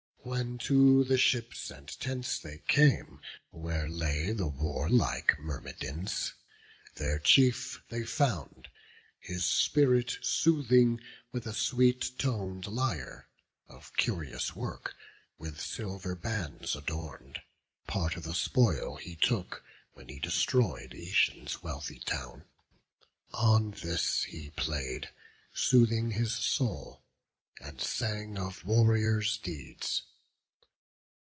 When to the ships and tents they came, where lay The warlike Myrmidons, their chief they found His spirit soothing with a sweet ton'd lyre, Of curious work, with silver band adorn'd; Part of the spoil he took, when he destroy'd Eetion's wealthy town; on this he play'd, Soothing his soul, and sang of warriors' deeds.